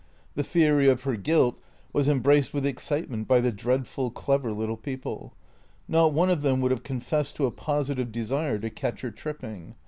The theory of her guilt was embraced with excitement by the dreadful, clever little people. Not one of them would have confessed to a positive desire to catch her tripping.